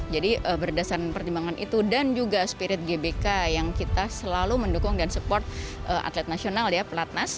jadi berdasarkan pertimbangan itu dan juga spirit gbk yang kita selalu mendukung dan support atlet nasional ya pelatnas